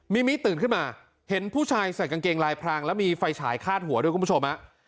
มีมิตื่นขึ้นมาเห็นผู้ชายใส่กางเกงลายพรางแล้วมีไฟฉายคาดหัวด้วยคุณผู้ชม